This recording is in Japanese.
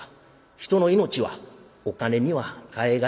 人の命はお金には代えがたきもの。